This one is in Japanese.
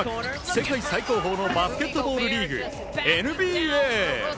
世界最高峰のバスケットボールリーグＮＢＡ。